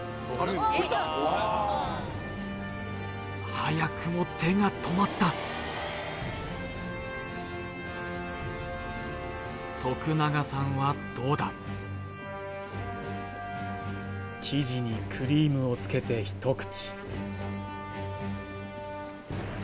早くも手が止まった永さんはどうだ生地にクリームをつけて一口